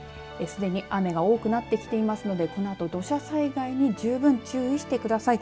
すでに雨が多くなってきていますのでこのあと土砂災害に十分注意してください。